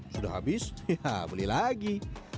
sudah habis ya beli lagi